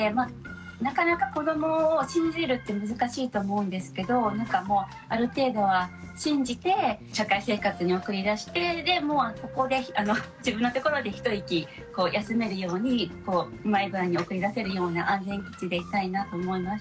なかなか子どもを信じるって難しいと思うんですけどなんかもうある程度は信じて社会生活に送り出してでもうここで自分のところで一息休めるようにうまい具合に送り出せるような安全基地でいたいなと思いました。